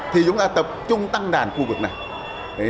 thì chúng ta tập trung tăng đàn khu vực này